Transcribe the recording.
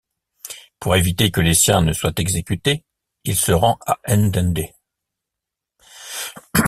Pour éviter que les siens ne soient exécutés, il se rend à Ndendé.